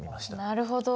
なるほど。